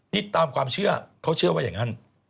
นี่ตามความเชื่อเขาเชื่อว่าอย่างนั้น